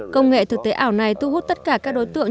công nghệ thực tế ảo này thu hút tất cả các đối tượng